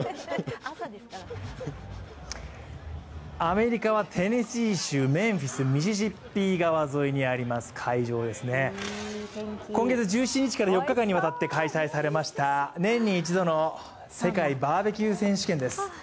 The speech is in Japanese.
アメリカはテネシー州メンフィス、ミシシッピー川にあります会場ですね、今月１７日から４日間にわたって開催されました年に一度の世界バーベキュー選手権です。